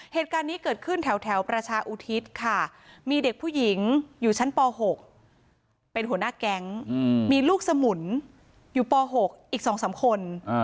เหตุการณ์นี้เกิดขึ้นแถวประชาอุทิศค่ะมีเด็กผู้หญิงอยู่ชั้นป๖เป็นหัวหน้าแก๊งมีลูกสมุนอยู่ป๖อีก๒๓คน